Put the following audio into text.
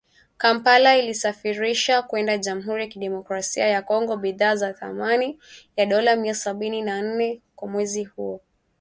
Kampala ilisafirisha kwenda Jamhuri ya Kidemokrasia ya Kongo bidhaa za thamani ya dola milioni sabini na nne kwa mwezi huo